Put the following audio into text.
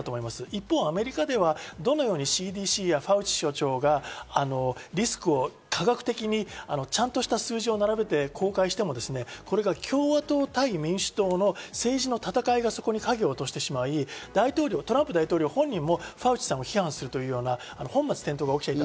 一方、アメリカではどのようにＣＤＣやファウチ所長がリスクを科学的に数字で並べても、共和党対民主党の政治の戦いがそこに影を落としてしまい、トランプ大統領本人もファウチさんを批判するというような本末転倒が起きた。